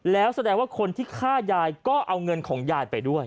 แล้วแสดงว่าคนที่ฆ่ายายก็เอาเงินของยายไปด้วย